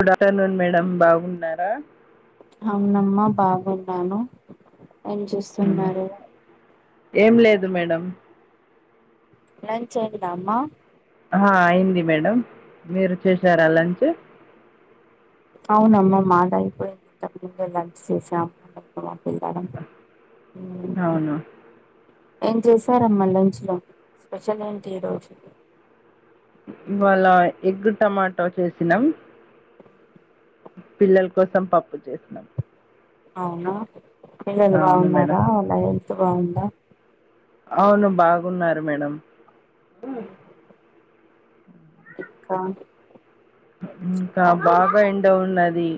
Good afternoon madam బాగుఉన్నారా అవున అమ్మ బాగుఉన్నాను ఏం చేస్తు ఉన్నారు ఏమ్ లేదు మేడం మ్ లంచ్ అయిందా అమ్మా హ అయింది మేడం మీరు చేశారా లంచ్ అవున అమ్మ మాది అయిపోయింది. ఇంతకుముందే లంచ్ చేసామ్ తర్వాత తింటారా అవును ఏం చేశార అమ్మా లంచ్లో స్పెషల్ ఏంటి ఈ రోజు ఈవాళ ఎగ్ టమాటో చేసినాంమ్ పిల్లల్ కొసం పప్పు చేసినామ్ అవున పిల్లలు అవును మేడం బాగున్నారా వాళ్ళ హెల్త్ బావుఉందా అవును బాగు ఉన్నారు మేడం ఇంకా ఇంకా అవును బాగా ఎండ ఉన్నది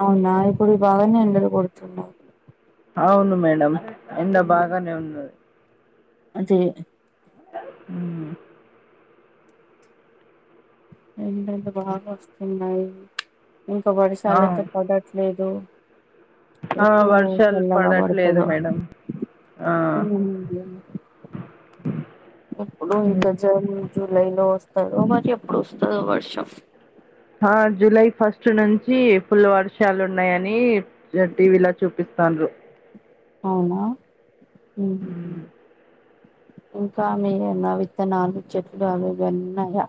అవనా ఇప్పుడు ఈ బాగానే ఎండలు గోడ్తు ఉన్నాయి అవును మేడం ఎండ బాగానే ఉన్నది మంచి దా ఉ ఎండ బాగా వస్తు ఉన్నాయి ఇంకా ఆ, వర్షాలై అయితే పడట్లేదు ఆ, ఎప్పుడు వర్షాలు చల్లగా పడట్లేదు పడుకొదు మేడం ఆ, ఉ ఎప్పుడు ఉమ్. ఇంకా జూన్ జూలైలో వస్తరో మరి ఎప్పుడో వస్తదో వర్షం ఆ జూలై ఫస్టు నుంచి ఫుల్ వర్షాలు ఉన్నాయ అని జ టీవీలా చూపిస్తాండ్రూ అవునా ఉ మ్మ్. ఇంకా మీ నా విత్తనాలు చెట్లు అవివేన్నాయా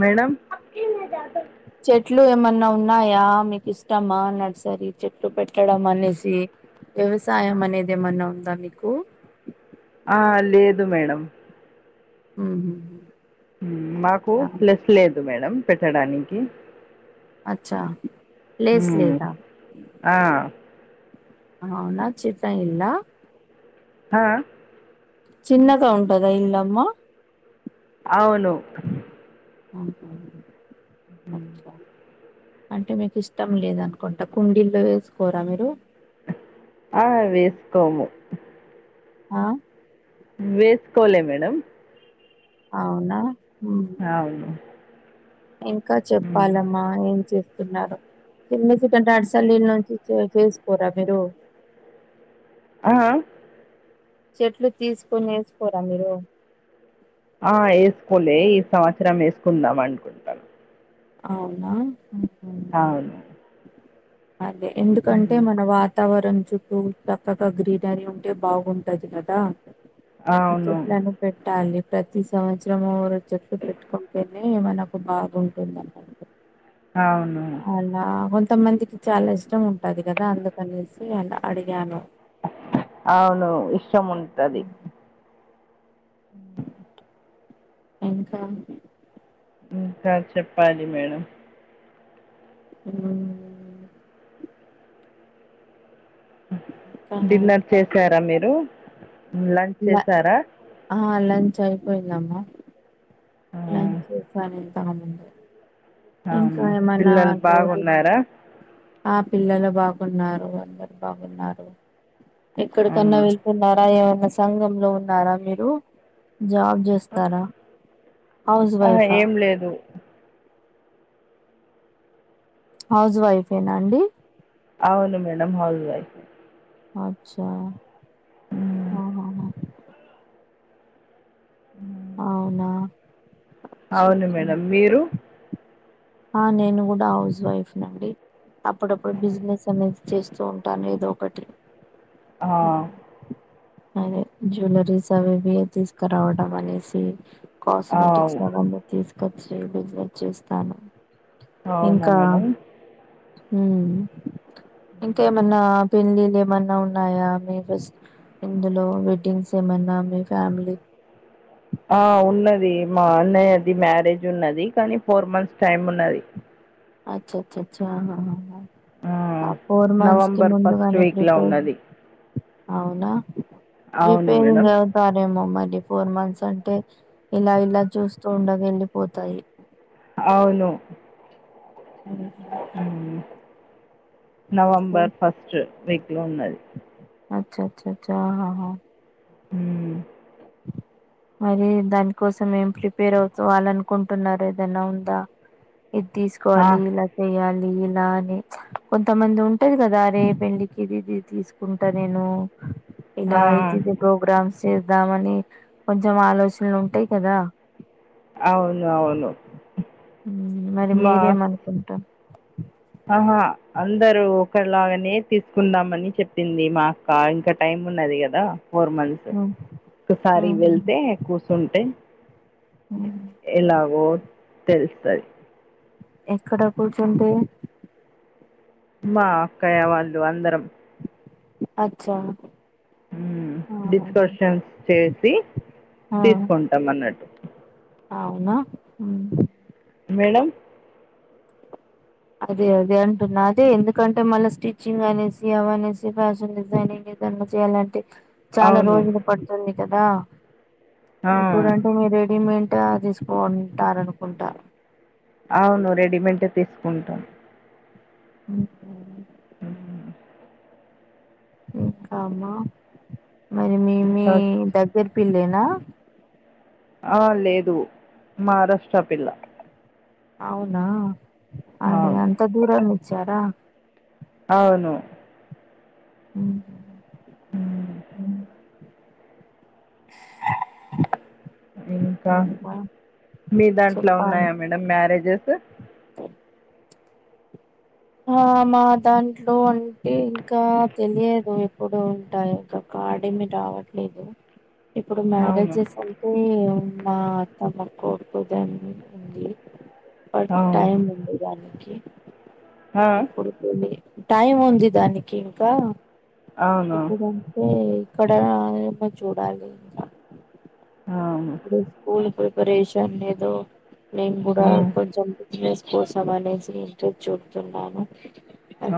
మేడం చెట్లు ఏమ అన్నా ఉన్నాయా మీకు ఇష్టమా నర్సరి చెట్లు పెట్టడం అనేసి వ్యవసాయం అనేది ఏమ అన్నా ఉందా మీకు ఆ లేదు మేడం ఉహ్ హ్ మాకు ప్లెస్ లేదు మేడం పెట్టడానికి అచ్చా ప్లెస్ లేదా ఆహ్ అవ్వున్లా చితైఉన్లా ఆహ్ చిన్నగా ఉంటదా ఇందమ్మ అవును ఆహ అచ్చా అంటే మీకు ఇష్టం లేదనుకుంటా కుండీల్లో వేస్కోరా మీరు ఆ వేస్కోము ఆహ్ వేస్కోలే మేడం అవునా హ్మ్ అవును ఇంకా మ్మ్. చెప్పాలమ్మా ఏం చేతున్నారు [unintelligible] నీళ్ళ చే చేస్కోరా మీరు ఆ ఆ చెట్లు తీస్కొనేస్కోరా మీరు ఆ ఏస్కోలే ఈ సంవత్సరం ఏస్కుందాం అనుకు అవునా ఉహు అవును అదే ఎందుకంటే మ్మ్. మన వాతావరణం చుట్టూ చక్కగా గ్రీనరీ ఉంటే బాగుంటది కదా అవును చెప్ప పెట్టాలి ప్రతి సంవత్సరము ఒ చెట్లు పెట్టుకుంటేనే మనకు బాగుంటుంది అన్నట్టు అవును అలా కొంతమందికి చాలా ఇష్టం ఉంటది గదా అందుకనేసి అల అడిగాను అవును ఇష్టం ఉంటది ఉమ్. ఉమ్ హ్ ఇంకా ఇంకా చెప్పాలి మేడం ఉమ్ డిన్నర్ చేశారా మీరు లంచ్ ల చేశారా ఆ లంచ్ అయిపోయిందమ్మ ఆ, లంచ్ చేశాను ఇంతముందే ఇంకా అవును ఏమన్న పిల్లలు స్టోరీస్ బాగున్నారా ఆ పిల్లలు బాగున్నారు అందరు బాగున్నారు ఎక్కడికన్న అవును వెల్ న్నారా ఏమన్న సంఘంలో ఉన్నారా మీరు జాబ్ చేస్తారా హౌస్ ఆ వైఫా ఏం లేదు హౌస్ వైఫేనండి అవును మేడం హౌస్వైఫై ఆచ్చా ఉమ్, ఆహాహా అవునా అవును అచ్చచ్చా! మేడం మీరు ఆ నేను గూడా హౌస్ వైఫ్ని అండి అప్పుడప్పుడు బిజినెస్ అనేసి చేస్తూ ఉంటాను ఎదో ఒకటి ఆ హ్మ్. అదే జ్యువలరీస్ అవి ఇవి తీసుకురావడం అనేసి ఆ, కాస్మెటిక్స్ అవన్నీ తీసుకొచ్చి బిజినెస్ చేస్తాను అవునా ఇంకా మేడం మ్ ఇంకా ఏమన్న పెళ్ళిళ్ళు ఏమన్నా ఉన్నాయా? మీ ఫస్ట్ ఇందులో వెడ్డింగ్స్ ఏమన్నా మీ ఫ్యామిలీ ఆ ఉన్నది మా అన్నయ్యది మ్యారేజ్ ఉన్నది. కానీ ఫోర్ మంత్స్ టైమ్ ఉన్నది. అచ్చచ్చచ్చ అహహహ. ఆ ఫోర్ మంత్స్ కి నవంబర్ ఫస్ట్ ముందుగానే వీక్లో ప్రిపేర్, ఉన్నది అవునా అవును ప్రిపేర్ ఇంగ మేడం సరేమో మడి ఫోర్ మంత్స్ అంటే ఇలా ఇలా చూస్తూ ఉండగ ఎల్లిపోతాయి. అవును మ్ మ్ నవంబర్ ఫస్ట్ వీక్ లో ఉన్నది. అచ్చచ్చచ్చ అహహ. మ్. మరీ దాని కోసం ఏం ప్రిపేర్ అవుతు వాళ్ళనుకుంటున్నార ఏదన్న ఉందా? ఇది ఆ, తీసుకోవాలి ఇల వెయాలి ఇలా అని కొంతమంది ఉంటది గదా, అరే పెళ్ళికి ఇదిది తీస్ కుంట నేను ఆ, ఇలా అయితిదే ప్రోగ్రామ్స్ చేద్దామని, కొంచెం ఆలోచనలు ఉంటయ్ కదా! అవును అవును మ్ మరి మా మీరేమనుకుంట ఆహా అందరూ ఒకలాగనే తీసుకుందాం అని చెప్పింది మా క్క ఇంకా టైమ్ ఉన్నది గదా ఫోర్ మంత్స్, ఉమ్, ఒక్కసారి ఉమ్, వెళ్తే కూసుంటే ఉమ్. ఎలాగో తెలుస్తది. ఎక్కడ కూర్చుంటే? మా అక్కయ్య వాళ్ళు అందరం. అచ్చా ఆహా డిస్కర్షన్స్ చేసి ఆ తీసుకుంటాం అన్నట్టు. అవునా మ్. మేడం అదే అదే అంటున్నా అదే ఎందుకంటే మళ్ళా స్టిచ్చింగ్ అనేసి, అవనేసి ఫ్యాషన్ డిజైనింగ్ ఇ దాట్ల చేయాలంటే, చాలా అవును రోజులు పడుతుంది కదా! ఆ, ఇప్పుడంటే మీ రెడిమెంట తీస్ కొంటారు అనుకుంటా. అవును రెడీమెంటే తీసుకుంటామ్. మ్ మ్ ఇంకా మ మరి మి మి ఇంకా దగ్గరి పిల్లెనా? ఆ లేదు మహారాష్ట్ర పిల్ల. అవునా అదే అవును అంత దూరం ఇచ్చార? అవును మ్హు ఉమ్, మ్ మ్ ఇంకా మీ దాంట్లో చెప్పాలి ఉన్నాయా మేడం మ్యారేజెస్? ఆ మా దాంట్లో అంటే ఇంకా తెలియదు ఎప్పుడు ఉంటాయి ఇంకా. కార్డ్ ఏమి రావట్లేదు. ఇప్పుడు అవును మ్యారేజెస్ అన్ అంటే మా ఆత్మమ కొడుకుది ఉంది బట్ అవును టైం ఉంది దానికి... ఆ... ఇప్పుడు టైం ఉంది దానికి ఇంకా,.. అవును ఇప్పుడు.. అతే ఇక్కడ ఏమో చూడాలి ఇంకా... అవును ఇప్పుడు స్కూల్ ప్రిపరేషన్ లేదో నేను కూడా ఉమ్ కొంచెం... బిజినెస్ కోసం అనేసి ఇంటె చుచున్నాను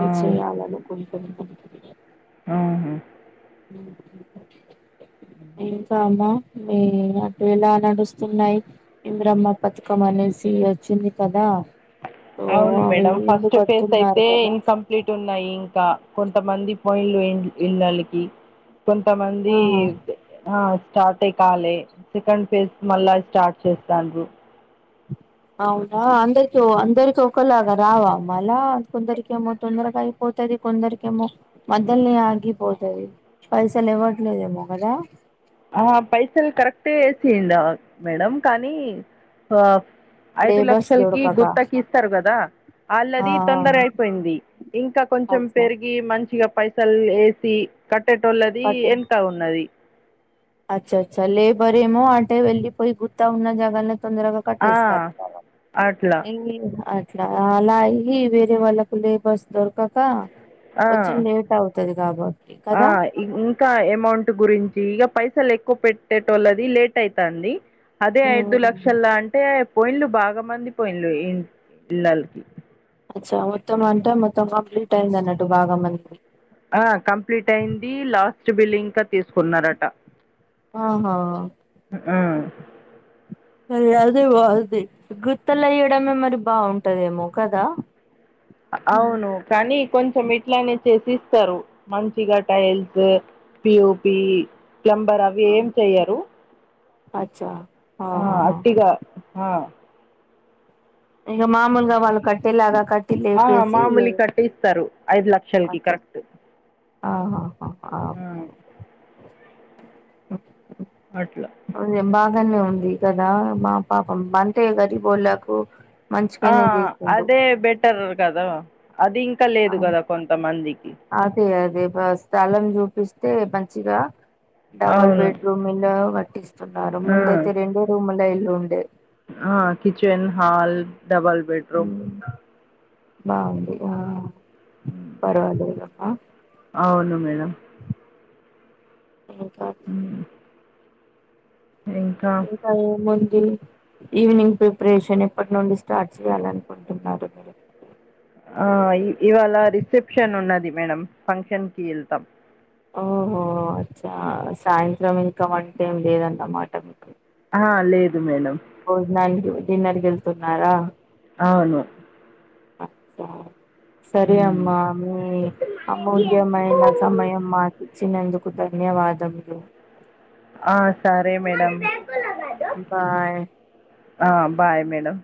ఆ చెయ్యాలినుకుతున్నాను... హ,.. హ... కా అమ్మా మీ... ఎలా నడుస్తున్నాయి్ ఇంధ్రమా పతకం అనేసి వచ్చింది కదా.. సో అవును అవి మేడం ఇల్లు ఫస్ట్ ఫేస్ కడుతున్నారు అయితే కదా ఇన్కమ్.. కంపెలతే ఉన్నాయి ఇంకా కొంతమంది పోయింలు ఇళ్ళలకి... కొంతమంది.. ఆ సార్ట్ ఏయ్ కలే సెకండ్ ఫేజ్ మళ్ళ స్టార్ట్ చేస్తాను,.. అవునా అందరికి అందరికి ఒకలాగా రావా అమ్మ మాల కొందరికి ఏమో... తొందరగా ఐపోతాది కొందరికి ఏమో మధ్యలో నే ఆగిపోతుది.. పైసలు ఇవ్వట్లేదేమో కదా.. ఆ పైసలు కరెక్టే వేసియంద మేడం కానీ ఆ.. ఐదు లేబర్స్ లక్షలకి దొరకక గుత్తకి ఇస్తారు కదా,.. ఆ వాళ్ళది తొందర అయిపోయింది ఇంకా ఆ కొంచెం అచ్చా పెరిగి... పి మంచిగా పైసలు వేసి కట్టేటోళ్ళది పట్టు వెనక ఉన్నది... అచ్చ అచ్చా లేబర్ ఏమో అంటే వెళ్లిపోయి గుతా ఉన్న జగల్ నే తొందరగా... ఆ, కట్టేసిక అట్లా ఏ.. అలా అయి వేరే వాళ్ళకు లేబర్స్ దొరకక ఆ, కొంచెం లేట్ అవుతుంది... పెటేది కాదు.. ఆ.. ఇంకా అమౌంట్ గురించి ఇక పైసలు ఎక్కువ పెట్టేట వాళ్ళది లేట్ అవుతుంది.. అదే ఐదు ఉమ్. లక్షల అంటే పోయింలు బాగా మంది పోయింలు ఇలలకి.. అచ్చా మొత్తం అంటే మొత్తం కంప్లీట్ అయింది అన్నట్టు బాగా మందికి... ఆ కంప్లీట్ అయింది లాస్ట్ బిల్లి ఇంక తీసుకున్నారట.. ఆహా.. ఆ.. ఇది అయితే బాగుంది గుర్తులు అయ్యడమే మరి బాగుంటదేమో కదా... అవును కానీ కొంచెం ఇట్లానే చేసి ఇస్తారు మంచిగా టైల్స్... పియోపి ప్లంబర్ అవి ఏం చెయ్యరు.. అచ్చా.. ఆ ఆహాహా అటిగా ఆ ఇక మామూలుగా వాళ్ళు కట్టేలాగా కట్టి లేపేసి... స్తారు ఐదు లక్షల కి కరెక్ట్.. ఆహా ఆ ఓక.. అట్ల.. బాగానే ఉంది కదా మా పాపం అంటే గరిబోళకు... ఆ అదే బెటర్ కదా అది ఇంకా లేదు కదా కొంతమందికి... అదే అదే స్థలం చూపిస్తే మంచిగా... డబల్ అవును బెడ్ రూమ్ ఇళ్ల క [unintelligible] ట్టిస్తున్నారు ఆ ముందయితే రెండే రూముల ఇల్లు ఉండేది ఆ కిచెన్ హాల్ డబల్ బెడ్ ఉమ్ బావుంది ఆ [unintelligible] పర్వాలేదు ఆ [unintelligible] ఔను మేడమ్ ఇంకా ఉమ్. ఇంకా ఇంకా ఏముంది ఈవినింగ్ ప్రిప్రేషన్ ఎప్పట్ నుండి స్టార్ట్ చేయాలనుకుంటున్నారు మిరు ఆ ఇ ఇవాళ రిసెప్షన్ ఉన్నది మెడమ్ ఫంక్షన్కీ ఎల్తం హుహూ అచ్చ సాయంత్రం ఇంక వంటేమ్ లేదన్నమాట మికు ఆ లేదు మేడం బొజ్నానికి [unintelligible] డిన్నర్కెల్తున్నారా ఔను ఉమ్. సరేయమ్మా మీ అమూల్యమైన సమయం మాకిచ్చినందుకు ధన్యవాదములు ఆ సరే మెడమ్ బాయ్ ఆ బాయ్ మెడమ్